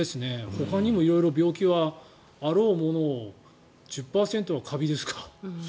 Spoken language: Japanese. ほかにも色々病気はあろうものを１０％はカビですか。